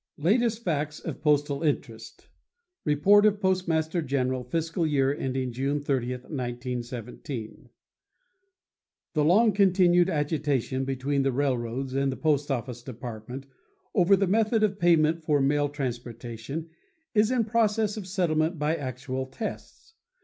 LATEST FACTS OF POSTAL INTEREST Report of Postmaster General; Fiscal Year Ending June 30, 1917 The long continued agitation between the railroads and the Post Office Department over the method of payment for mail transportation is in process of settlement by actual tests.